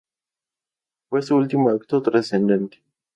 Fue su último acto trascendente.